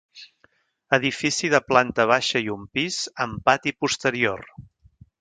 Edifici de planta baixa i un pis, amb pati posterior.